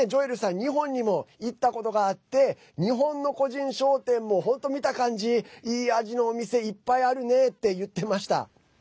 日本にも行ったことがあって日本の個人商店も本当、見た感じいい味のお店いっぱいあるねって言ってました。